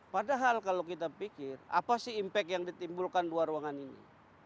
padahal kalau kita pikir apa sih impact yang ditimbulkan dua ruangan ini